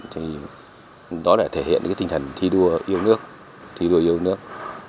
thì đó đã thể hiện cái tinh thần thi đua yêu nước thi đua yêu nước